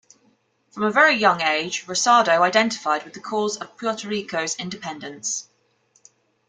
From a very young age, Rosado identified with the cause of Puerto Rico's independence.